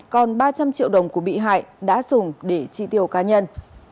còn ba trăm linh triệu đồng của bị hại đã dùng để chi tiêu cá nhân